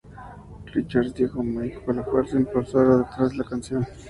Richards dijo "Mick fue la fuerza impulsora detrás de la canción".